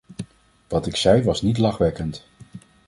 Wat ik zei was niet lachwekkend.